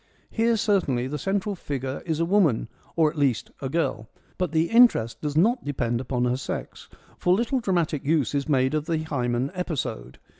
Here certainly the central figure is a woman, or, at least, a girl ; but the interest does not depend upon her sex, for little dramatic use is made of the Haemon episode.